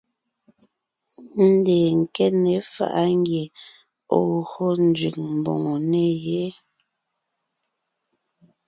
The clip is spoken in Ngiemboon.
Ndeen nke ne faʼa ngie ɔ̀ gyo nzẅìŋ mbòŋo ne yé.